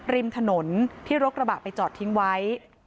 ริมถนนที่รถกระบะไปจอดทิ้งไว้